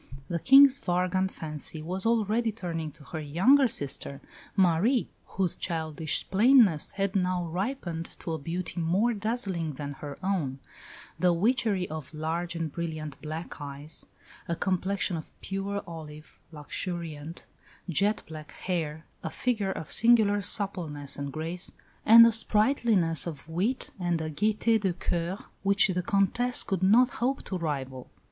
The King's vagrant fancy was already turning to her younger sister, Marie, whose childish plainness had now ripened to a beauty more dazzling than her own the witchery of large and brilliant black eyes, a complexion of pure olive, luxuriant, jet black hair, a figure of singular suppleness and grace, and a sprightliness of wit and a gaieté de coeur which the Comtesse could not hope to rival.